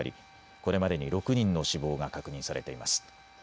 これまでに６人の死亡が確認されています。